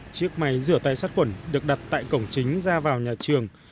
chiếc máy rửa tay sát khuẩn được đặt tại cổng chính ra vào nhà trường